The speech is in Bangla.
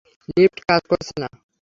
লিফট কাজ করছে না।